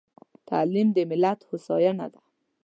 تعليم د ملت هوساينه ده.